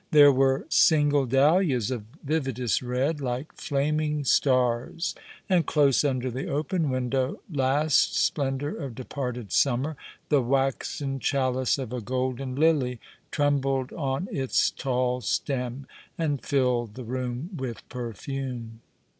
There were single dahlias of vividest red, like flaming stars ; and close under the open window, last splendour of departed summer, the waxen chalice of a golden lily trembled on its tall stem, and filled the room with perfume.